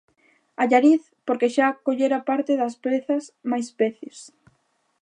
Allariz porque xa acollera parte das pezas máis veces.